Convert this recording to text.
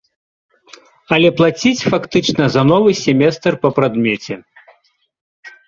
Але плаціць фактычна за новы семестр па прадмеце.